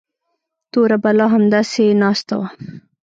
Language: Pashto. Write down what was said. توره بلا همداسې ناسته وه.